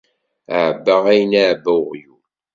Ɛebbaɣ ayen iεebba uɣyul.